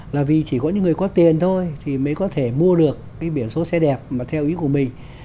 là vì chỉ có những người có tiền thôi thì mới có thể mua được cái biển số xe đẹp mà theo ý của mình